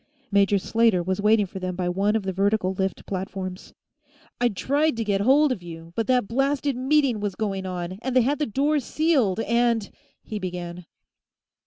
Major Slater was waiting for them by one of the vertical lift platforms. "I tried to get hold of you, but that blasted meeting was going on, and they had the doors sealed, and " he began.